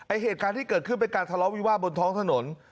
เหตุการณ์ที่เกิดขึ้นเป็นการทะเลาะวิวาสบนท้องถนน